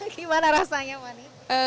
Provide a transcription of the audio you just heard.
gimana rasanya fanny